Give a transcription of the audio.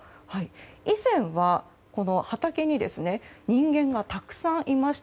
以前は、畑に人間がたくさんいました。